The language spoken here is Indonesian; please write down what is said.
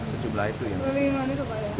berapa itu pak